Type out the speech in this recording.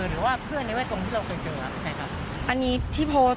หรือว่าเพื่อนในแวดวงที่เราเคยเจอครับอันนี้ที่โพสต์